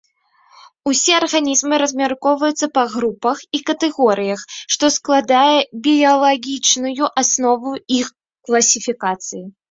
Усе арганізмы размяркоўваюцца па групах і катэгорыях, што складае біялагічную аснову іх класіфікацыі.